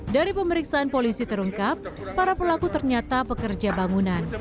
dari pemeriksaan polisi terungkap para pelaku ternyata pekerja bangunan